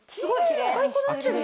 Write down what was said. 使いこなしてるね